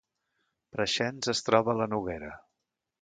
Preixens es troba a la Noguera